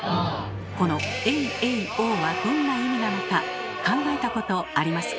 この「エイエイオー」はどんな意味なのか考えたことありますか？